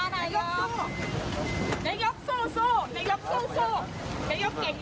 ซ้ายนะคะ